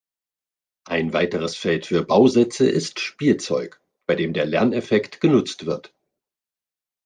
Ein weiteres Feld für Bausätze ist Spielzeug, bei dem der Lerneffekt genutzt wird.